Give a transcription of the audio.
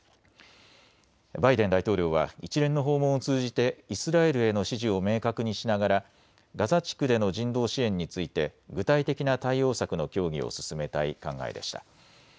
バイデン大統領は一連の訪問を通じてイスラエルへの支持を明確にしながらガザ地区での人道支援について具体的な対応策の協議を進めたい考えでした。